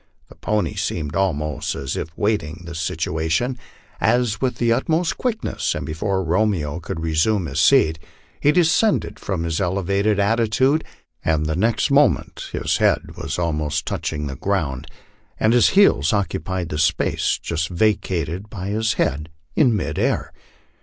The pony seemed almost as if waiting this situation, as with the utmost quickness, and before Romeo could resume his seat, he descended from his elevated attitude, and the next moment his head w;is almost touching the ground, and his heels occupied the space just vacated by his head in mid air.